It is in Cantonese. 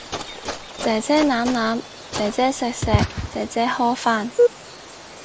姐姐攬攬，姐姐錫錫，姐姐呵返